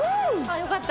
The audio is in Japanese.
よかった！